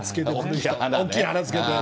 大きい花つけて。